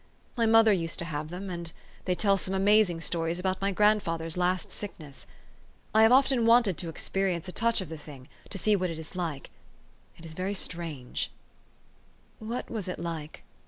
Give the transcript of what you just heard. My mother used to have them, and they tell some amazing stories about my grandfather's last sickness. I have often wanted to experience a touch of the thing, to see what it is like. It is very strange/' " What was it like?